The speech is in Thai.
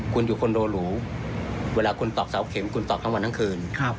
คุณอยู่คอนโดหรูเวลาคุณตอกเสาเข็มคุณตอกทั้งวันทั้งคืน